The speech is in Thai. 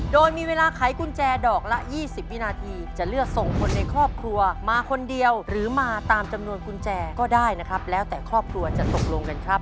โดยมีเวลาไขกุญแจดอกละ๒๐วินาทีจะเลือกส่งคนในครอบครัวมาคนเดียวหรือมาตามจำนวนกุญแจก็ได้นะครับแล้วแต่ครอบครัวจะตกลงกันครับ